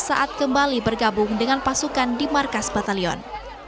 saat kembali bergabung dengan pasukan di markas batalion